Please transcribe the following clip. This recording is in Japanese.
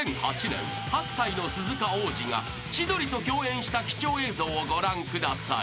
［２００８年８歳の鈴鹿央士が千鳥と共演した貴重映像をご覧ください］